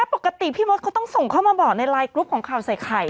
ปกติพี่มดเขาต้องส่งเข้ามาบอกในไลน์กรุ๊ปของข่าวใส่ไข่